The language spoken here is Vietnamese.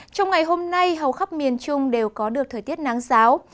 trong ngày hôm nay hầu khắp miền trung đều có được thời tiết nắng giáo